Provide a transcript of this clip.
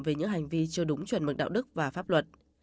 về những hành vi chưa đúng chuẩn mực đạo đức và pháp luật